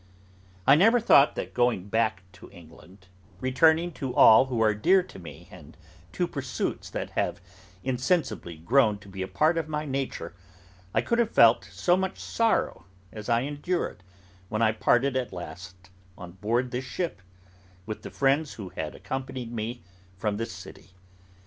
I never thought that going back to England, returning to all who are dear to me, and to pursuits that have insensibly grown to be a part of my nature, I could have felt so much sorrow as I endured, when I parted at last, on board this ship, with the friends who had accompanied me from this city.